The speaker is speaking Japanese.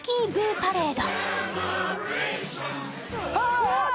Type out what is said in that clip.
パレード。